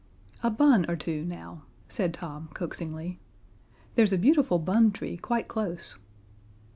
"A bun or two, now," said Tom, coaxingly. "There's a beautiful bun tree quite close."